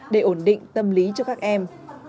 để ổn định tâm lý cho các em